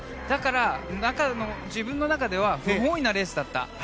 だから、自分の中では不本意なレースだった。